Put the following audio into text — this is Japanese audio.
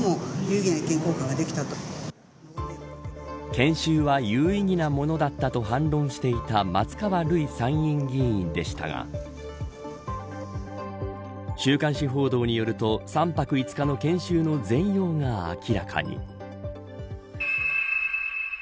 研修は有意義なものだったと反論していた松川るい参院議員でしたが週刊誌報道によると３泊５日の研修の全容が明らかに。